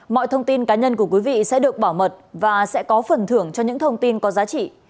mọi thông tin cá nhân của quý vị sẽ được bảo mật và sẽ có phần thưởng cho những thông tin có giá trị